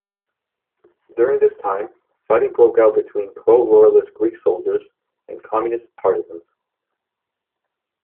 During this time, fighting broke out between pro-royalist Greek soldiers and communist partisans.